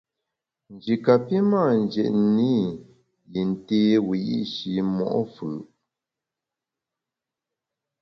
Nji kapi mâ njetne i yin té wiyi’shi mo’ fù’.